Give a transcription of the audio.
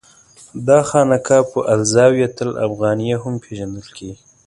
دا خانقاه په الزاویة الافغانیه هم پېژندل کېږي.